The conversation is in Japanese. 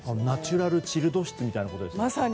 ナチュラルチルド室みたいなことですね。